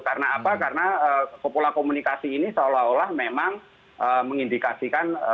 karena apa karena kepulauan komunikasi ini seolah olah memang mengindikasikan